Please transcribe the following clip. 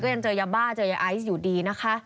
ยังเจอยาบ้าเจอยาไอซ์อยู่ดีนะคะ